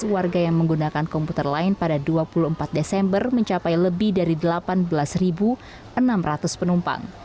warga yang menggunakan komputer lain pada dua puluh empat desember mencapai lebih dari delapan belas enam ratus penumpang